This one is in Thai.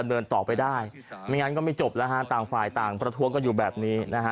เดินต่อไปได้ไม่งั้นก็ไม่จบแล้วฮะต่างฝ่ายต่างประท้วงกันอยู่แบบนี้นะฮะ